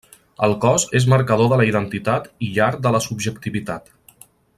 El cos és marcador de la identitat i llar de la subjectivitat.